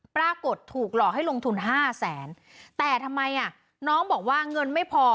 ปรากฏถูกหลอกให้ลงทุนห้าแสนแต่ทำไมอ่ะน้องบอกว่าเงินไม่พอ